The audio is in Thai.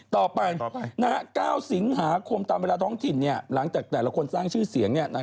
ต่อไป๙สิงหาคมตามเวลาท้องถิ่นหลังจากแต่ละคนสร้างชื่อเสียง